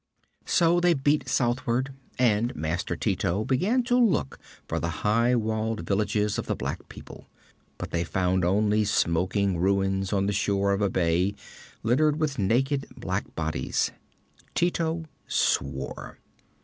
So they beat southward, and master Tito began to look for the high walled villages of the black people. But they found only smoking ruins on the shore of a bay, littered with naked black bodies. Tito swore.